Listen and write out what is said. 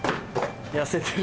痩せてる。